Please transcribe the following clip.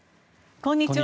こんにちは。